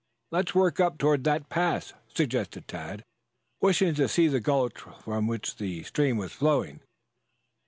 "Let's work up toward that pass," suggested Tad, wishing to see the gulch from which the stream was flowing.